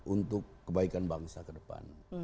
untuk kebaikan bangsa kedepan